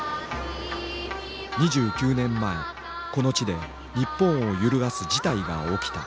２９年前この地で日本を揺るがす事態が起きた。